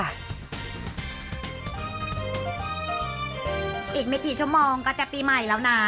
อีกไม่กี่ชั่วโมงก็จะปีใหม่แล้วนะ